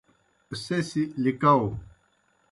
سہ سی لِکاؤ۔